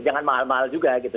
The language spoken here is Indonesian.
jangan mahal mahal juga gitu